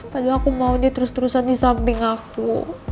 padahal aku mau ini terus terusan di samping aku